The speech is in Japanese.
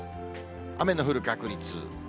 雨の降る確率。